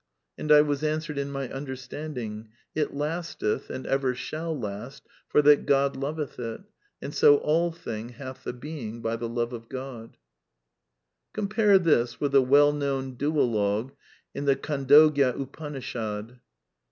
And I was answered in my understanding: It lasteth, and ever shall (last) for that God loveth it. And so All thing hath the Being by the Love of God." {Bevelations of Divine Love, p. 10.) Compare this with the well know!n duologue in the KhdndogyorUpanishad.